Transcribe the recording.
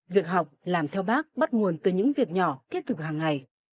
việc học làm theo bác bắt nguồn từ những việc nhỏ thiết thực hàng ngày